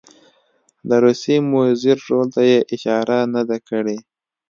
د روسیې مضر رول ته یې اشاره نه ده کړې.